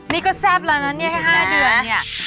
นี่ก็แซ่บแล้วนะให้๕เดือน